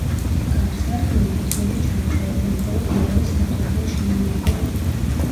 კარ-სარკმლები ძველი ჩარჩოები მხოლოდ მეორე სართულზეა შემონახული.